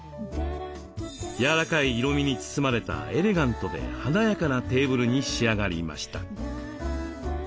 柔らかい色みに包まれたエレガントで華やかなテーブルに仕上がりました。